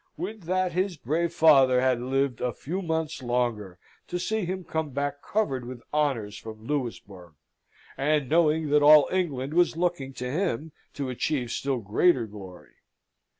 Would that his brave father had lived a few months longer to see him come back covered with honours from Louisbourg, and knowing that all England was looking to him to achieve still greater glory!